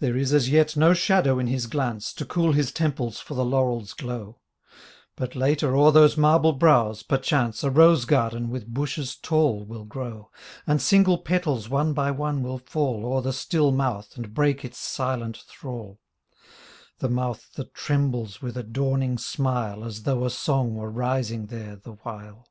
There is as yet no shadow in his glance, Tco cool his temples for the laurel's glow ; But later o'er those marble brows, perchance, A rose garden with bushes tall will grow, And single petals one by one will fall O'er the still mouth and break its silent thrall, — ^The mouth that trembles with a dawning smile As though a song were rising there the while.